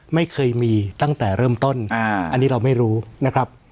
ไม่เคยมีตั้งแต่เริ่มต้นอันนี้เราไม่รู้นะครับ